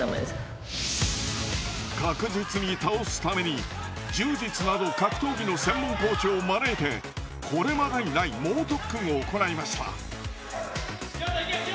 確実に倒すために柔術など格闘技の専門コーチを招いてこれまでにない猛特訓を行いました。